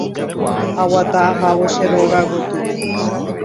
Aguata ahávo che róga gotyo.